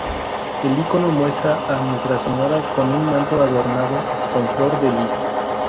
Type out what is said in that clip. El icono muestra a Nuestra Señora con un manto adornado con flor de lis.